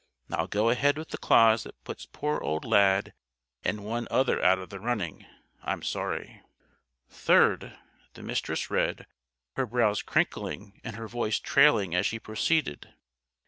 Now go ahead with the clause that puts poor old Lad and one other out of the running. I'm sorry." "'Third,'" the Mistress read, her brows crinkling and her voice trailing as she proceeded.